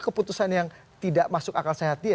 keputusan yang tidak masuk akal sehat dia